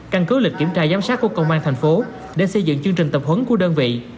căn cứ lịch kiểm tra giám sát của công an thành phố để xây dựng chương trình tập huấn của đơn vị